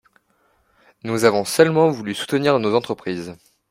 Nous avons seulement voulu soutenir nos entreprises